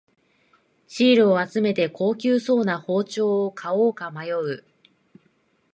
シールを集めて高級そうな包丁を買おうか迷う